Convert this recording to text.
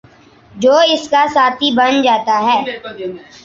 جو اس کا ساتھی بن جاتا ہے